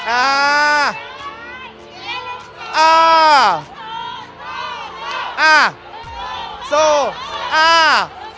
อ่าอ่าสู้อ่า